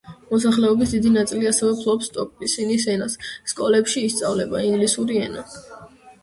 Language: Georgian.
მოსახლეობის დიდი ნაწილი ასევე ფლობს ტოკ-პისინის ენას; სკოლებში ისწავლება ინგლისური ენა.